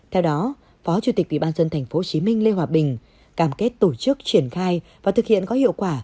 theo đó phó chủ tịch ủy ban dân tp hcm lê hòa bình cam kết tổ chức triển khai và thực hiện có hiệu quả